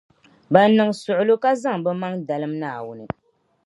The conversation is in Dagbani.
Ban niŋ suɣulo ka zaŋ bɛ maŋa n-dalim Naawuni.